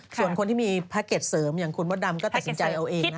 ส่วนคนที่มีแพ็กเกจเสริมอย่างคุณมดดำก็ตัดสินใจเอาเองนะ